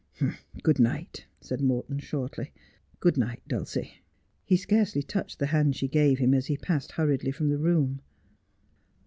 'Good night,' said Morton shortly. 'Good night, Dulcie.' He scarcely touched the hand she gave him as he passed hurriedly from the room.